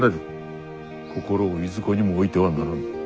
心をいずこにも置いてはならぬ。